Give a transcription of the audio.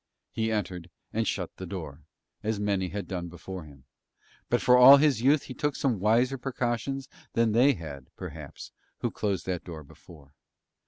He entered and shut the door, as many had done before him; but for all his youth he took some wiser precautions than had they, perhaps, who closed that door before.